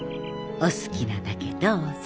お好きなだけどうぞ。